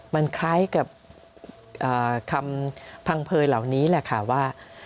มันคล้ายกับคำพังเผยเหล่านี้แหละค่ะว่า